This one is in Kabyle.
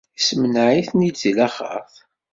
Issemneɛ-iten-id si laxert.